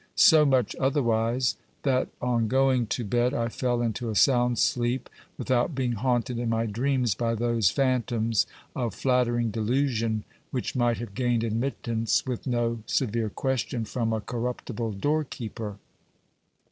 So much otherwise, that on going to bed I fell into a sound sleep, without being haunted in my dreams by those phantoms of flattering delusion which might have gained admittance with no severe question from a corruptible door keeper.